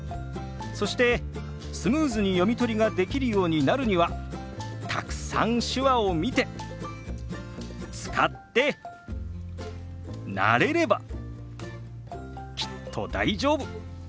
そしてスムーズに読み取りができるようになるにはたくさん手話を見て使って慣れればきっと大丈夫。